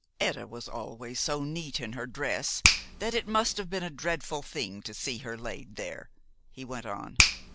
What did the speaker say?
"Etta was always so neat in her dress that it must have been a dreadful thing to see her laid there," he went on.